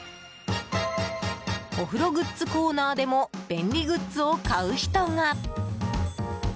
お風呂グッズコーナーでも便利グッズを買う人が。